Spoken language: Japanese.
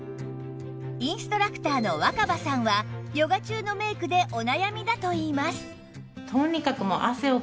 インストラクターの若葉さんはヨガ中のメイクでお悩みだといいます